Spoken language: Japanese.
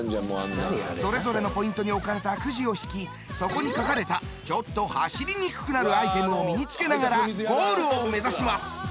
それぞれのポイントに置かれたくじを引きそこに書かれたちょっと走りにくくなるアイテムを身に着けながらゴールを目指します。